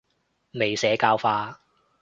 未社教化